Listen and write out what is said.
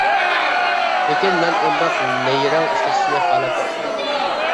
لېكىن مەن ئۇنداق نەيرەڭ ئىشلىتىشنى خالاپ كەتمىدىم.